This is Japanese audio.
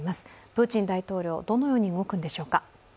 プーチン大統領、どのように動くんでしょうか。